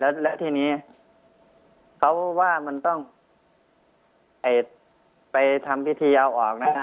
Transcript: แล้วแล้วทีนี้เขาว่ามันต้องไอไปทำพิธีเอาออกนะอะไรนะอ่า